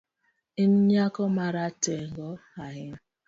In nyako ma ratego ahinya